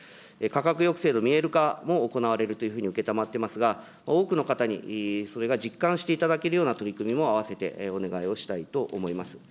価格抑制の見える化も行われるというふうに承っておりますが、多くの方にそれが実感していただけるような取り組みもあわせてお願いをしたいと思います。